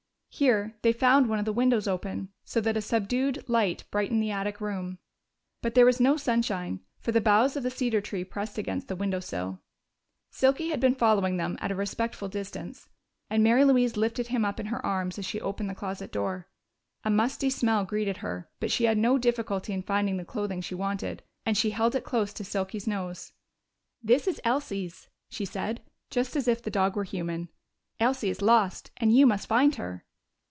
Here they found one of the windows open, so that a subdued light brightened the attic room. But there was no sunshine, for the boughs of the cedar trees pressed against the window sill. Silky had been following them at a respectful distance, and Mary Louise lifted him up in her arms as she opened the closet door. A musty smell greeted her, but she had no difficulty in finding the clothing she wanted, and she held it close to Silky's nose. "This is Elsie's," she said, just as if the dog were human. "Elsie is lost, and you must find her."